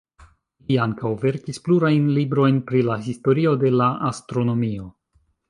Li ankaŭ verkis plurajn librojn pri la historio de la astronomio.